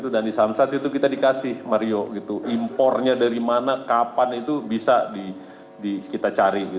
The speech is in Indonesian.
dan di samsat itu kita dikasih mario impornya dari mana kapan itu bisa kita cari